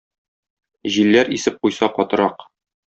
Җилләр исеп куйса катырак.